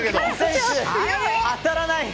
当たらない。